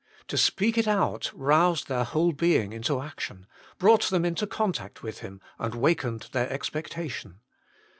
To speak it out roused their whole being into action, brought them into contact with Him, and wakened their expectation.